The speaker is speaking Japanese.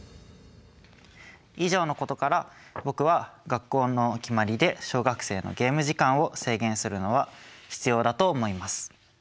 以上のことから僕は学校の決まりで小学生のゲーム時間を制限するのは必要だと思います。